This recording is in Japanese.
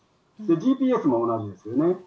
ＧＰＳも同じですよね。